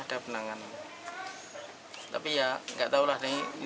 kalau kurangnya keluarga terus tertutup gitu